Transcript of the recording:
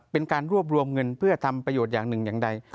เป็นการรวบรวมเงินเพื่อทำประโยชน์อย่างหนึ่งอย่างใด